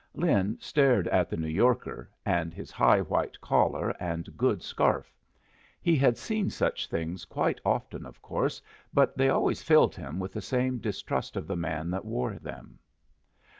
Lin stared at the New Yorker, and his high white collar and good scarf. He had seen such things quite often, of course, but they always filled him with the same distrust of the man that wore them.